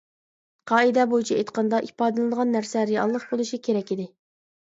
قائىدە بويىچە ئېيتقاندا، ئىپادىلىنىدىغان نەرسە رېئاللىق بولۇشى كېرەك ئىدى.